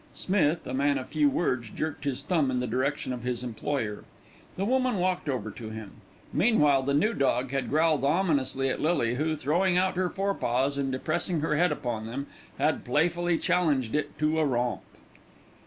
Smith, a man of few words, jerked his thumb in the direction of his employer. The woman walked over to him. Meanwhile the new dog had growled ominously at Lily, who, throwing out her forepaws and depressing her head upon them, had playfully challenged it to a romp.